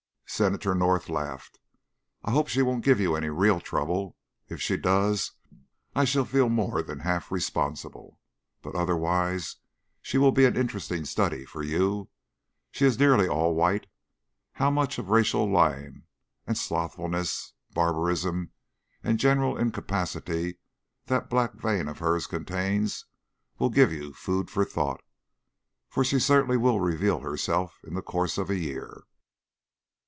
Senator North laughed. "I hope she won't give you any real trouble. If she does, I shall feel more than half responsible. But otherwise she will be an interesting study for you. She is nearly all white; how much of racial lying, and slothfulness, barbarism, and general incapacity that black vein of hers contains will give you food for thought, for she certainly will reveal herself in the course of a year."